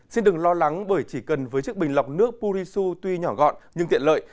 xin đừng lo lắng bởi chỉ cần với chiếc bình lọc nước purisu tuy nhỏ gọn nhưng tiện lợi